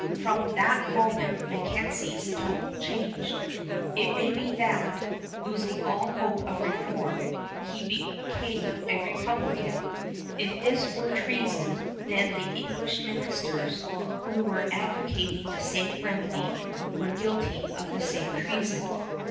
From that moment MacKenzie's tone changed. It may be that, losing all hope of reform, he became a republican. If this were treason, then the English ministers, who were advocating the same remedy, were guilty of the same treason.